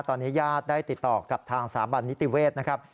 ตอนนี้ญาติได้ติดต่อกับทางสาบันนิติเวศนะครับ